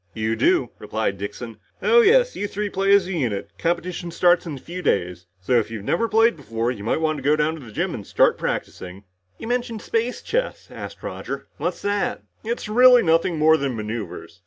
"You do," replied Dixon. "Oh, yes, you three play as a unit. Competition starts in a few days. So if you've never played before, you might go down to the gym and start practicing." "You mentioned space chess," asked Roger. "What's that?" "It's really nothing more than maneuvers.